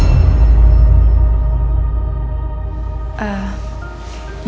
apa artinya saya harus terus dihukum selamanya